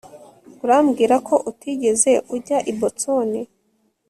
Urambwira ko utigeze ujya i Boston